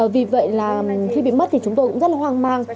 vì vậy khi bị mất thì chúng tôi cũng rất hoang mang